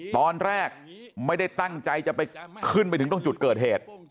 ตอนแรกไม่ได้ตั้งใจจะไปขึ้นไปถึงตรงจุดเกิดเหตุ